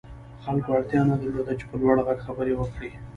خلکو اړتيا نه درلوده چې په لوړ غږ خبرې وکړي.